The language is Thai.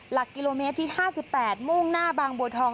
หลักกิโลเมตรที่๕๘มุ่งหน้าบางบัวทอง